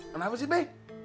kenapa sih be